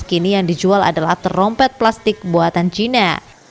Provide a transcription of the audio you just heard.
kini yang dijual adalah trompet plastik buatan cina